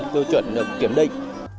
thư chuẩn được kiểm định